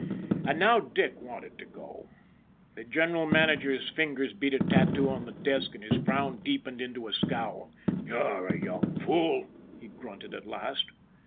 And now Dick wanted to go. The general manager's fingers beat a tattoo on the desk and his frown deepened into a scowl. " You're a young fool," he grunted at last.